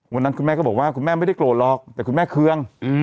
คุณแม่ก็บอกว่าคุณแม่ไม่ได้โกรธหรอกแต่คุณแม่เคือง